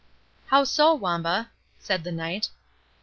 "How so, Wamba?" said the Knight.